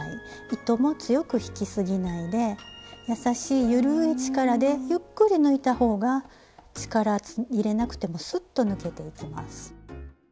糸も強く引きすぎないで優しい緩い力でゆっくり抜いた方が力入れなくてもスッと抜けていきます。